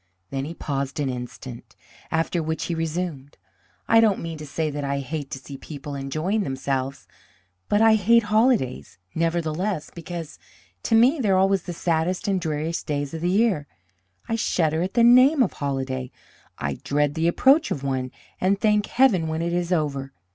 Then he paused an instant, after which he resumed: "I don't mean to say that I hate to see people enjoying themselves. But I hate holidays, nevertheless, because to me they are always the saddest and dreariest days of the year. I shudder at the name of holiday. I dread the approach of one, and thank heaven when it is over.